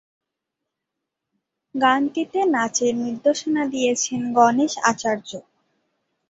গানটিতে নাচের নির্দেশনা দিয়েছেন গণেশ আচার্য।